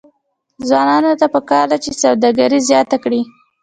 ځوانانو ته پکار ده چې، سوداګري زیاته کړي.